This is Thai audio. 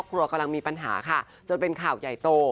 กลัวกำลังมีปัญหาค่ะจนเป็นข่าวใหญ่โต